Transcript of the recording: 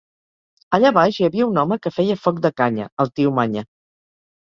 Allà baix hi havia un home que feia foc de canya, el tio Manya.